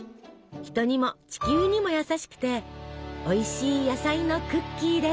人にも地球にも優しくておいしい野菜のクッキーです！